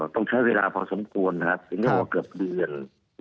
ต้องใช้เวลาพอสมควรนะครับถึงเรียกว่าเกือบเดือน